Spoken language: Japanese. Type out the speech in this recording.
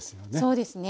そうですね。